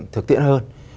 thực tiện hơn